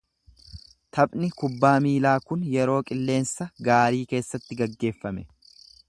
Taphni kubbaa miilaa kun yeroo qilleensa gaarii keessatti geggeeffame.